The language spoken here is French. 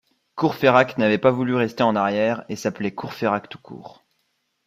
Courfeyrac n’avait pas voulu rester en arrière, et s’appelait Courfeyrac tout court.